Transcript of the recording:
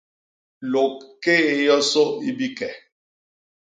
Lôgkéé yosô i bike.